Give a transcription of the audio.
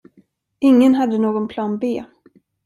Ingen hade någon plan B.